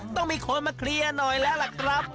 ต้องมีคนมาเคลียร์หน่อยแล้วล่ะครับ